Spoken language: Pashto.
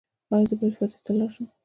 ایا زه باید فاتحې ته لاړ شم؟